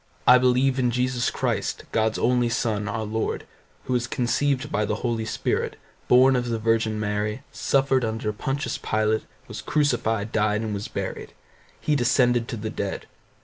I believe in Jesus Christ, God's only Son, our Lord, who was conceived by the Holy Spirit, born of the Virgin Mary, suffered under Pontius Pilate, was crucified, died, and was buried; he descended to the dead.